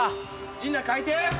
陣内書いて！